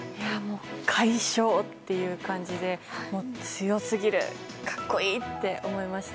快勝っていう感じで強すぎる格好いいって思いました。